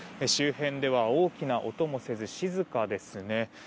周辺では大きな音もせず静かですね。